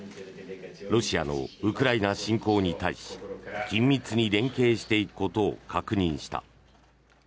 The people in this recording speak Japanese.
ロシアのウクライナ侵攻に対し緊密に連携していくことを確認した。